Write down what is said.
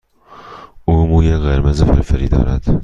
او موی قرمز فرفری دارد.